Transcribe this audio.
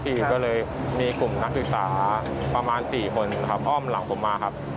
ก็เลยมีกลุ่มนักศึกษาประมาณ๔คนครับอ้อมหลังผมมาครับ